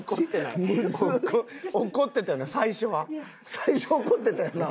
最初怒ってたよな？